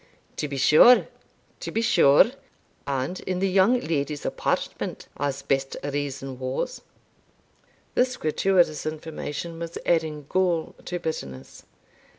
"To be sure to be sure and in the young lady's apartment, as best reason was." This gratuitous information was adding gall to bitterness.